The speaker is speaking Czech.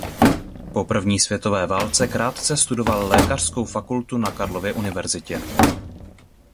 Po první světové válce krátce studoval lékařskou fakultu na Karlově univerzitě.